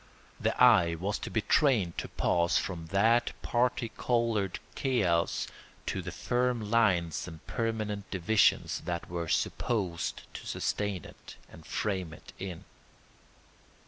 The eye was to be trained to pass from that parti coloured chaos to the firm lines and permanent divisions that were supposed to sustain it and frame it in.